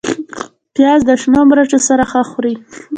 پیاز د شنو مرچو سره ښه خوري